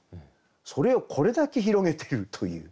それをこれだけ広げているという。